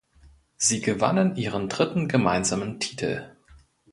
Sie gewannen ihren dritten gemeinsamen Titel.